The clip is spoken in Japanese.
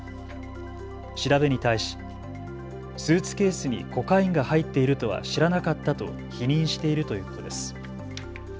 調べに対しスーツケースにコカインが入っているとは知らなかったと否認しているということです。